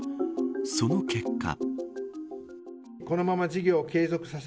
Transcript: その結果。